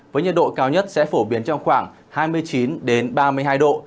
với nhiệt độ cao nhất sẽ phổ biến trong khoảng hai mươi chín ba mươi hai độ